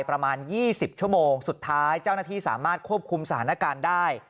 ประมาณ๒๐ชั่วโมงสุดท้ายเจ้าหน้าที่สามารถควบคุมสถานการณ์ได้